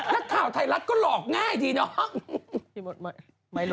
นักข่าวไทยรัฐก็หลอกง่ายดีเนาะ